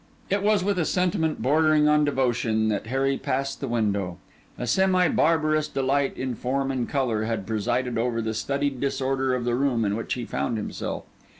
It was with a sentiment bordering on devotion, that Harry passed the window. A semi barbarous delight in form and colour had presided over the studied disorder of the room in which he found himself.